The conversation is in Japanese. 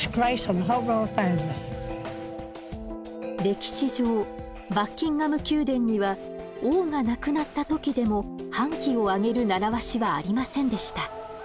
歴史上バッキンガム宮殿には王が亡くなった時でも半旗を揚げる習わしはありませんでした。